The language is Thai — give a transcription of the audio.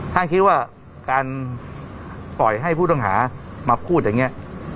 ท่านคิดว่าการปล่อยให้ผู้ต้องหามาพูดอย่างนี้